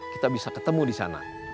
kita bisa ketemu di sana